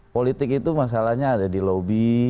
politik itu masalahnya ada di lobi